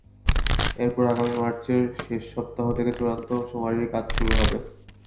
এরপর আগামী মার্চের শেষ সপ্তাহ থেকে চূড়ান্ত শুমারির কাজ শুরু হবে।